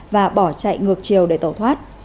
và bỏ chạy ngược chiều để tàu thoát